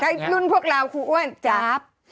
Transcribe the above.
แล้วรุ่นพวกเราครูอ้วนจ๊าบ